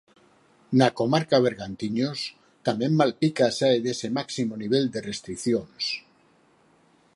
Na comarca Bergantiños, tamén Malpica sae dese máximo nivel de restricións.